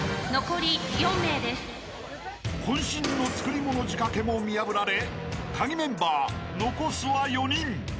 ［渾身の作り物仕掛けも見破られカギメンバー残すは４人］